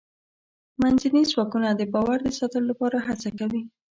منځني ځواکونه د باور د ساتلو لپاره هڅه کوي.